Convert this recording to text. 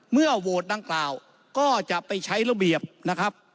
โหวตดังกล่าวก็จะไปใช้ระเบียบนะครับ